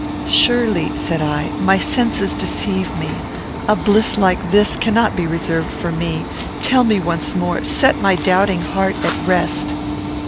"Surely," said I, "my senses deceive me. A bliss like this cannot be reserved for me. Tell me once more set my doubting heart at rest."